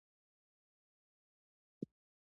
مېوې د افغانانو د تفریح یوه وسیله ده.